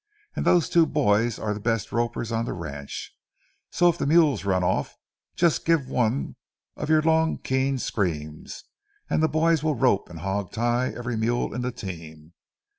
And those two boys are the best ropers on the ranch, so if the mules run off just give one of your long, keen screams, and the boys will rope and hog tie every mule in the team.